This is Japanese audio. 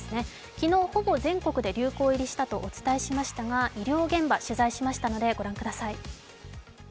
昨日、ほぼ全国で流行入りしたとお伝えしましたが医療現場、取材しましたのでご覧ください。